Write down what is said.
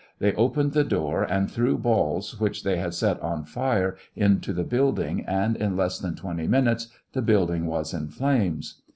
They opened the door and threw balls, which they had set on fire, into the building, and in less than twenty minutes the building was in flames.